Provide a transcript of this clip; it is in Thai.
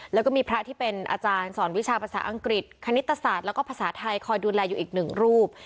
แล้วก็มีพระที่เป็นอาจารย์สอนวิชาภาษาอังกฤษคณิตศาสตร์แล้วก็ภาษาไทยคอยดูแลอยู่อีกหนึ่งรูป